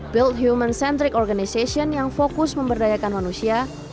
build human centric organization yang fokus memberdayakan manusia